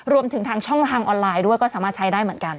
รวมถึงทางช่องทางออนไลน์ด้วยก็สามารถใช้ได้เหมือนกัน